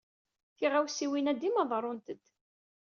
Tiɣawisiwn-a dima ḍerrunt-d.